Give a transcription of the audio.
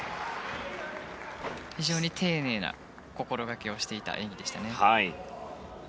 非常に丁寧な心掛けをしていた演技でしたね。